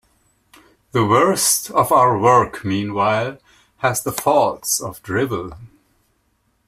The worst of our work, meanwhile, has the faults of drivel.